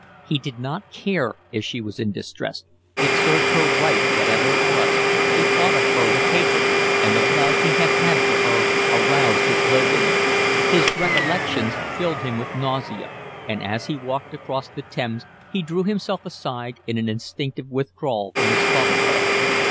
He did not care if she was in distress, it served her right whatever it was, he thought of her with hatred, and the love he had had for her aroused his loathing. His recollections filled him with nausea, and as he walked across the Thames he drew himself aside in an instinctive withdrawal from his thought of her.